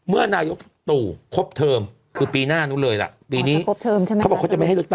เมื่อนายกตู่ครบเทอมคือปีหน้านู้นเลยล่ะปีนี้เขาบอกเขาจะไม่ให้เลือกตั้ง